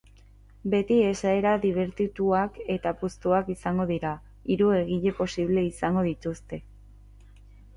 Beti esaera dibertituak eta puztuak izango dira, hiru egile posible izango dituzte.